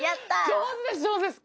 上手です上手です。